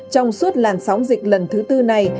trong suốt làn sóng dịch lần thứ tư này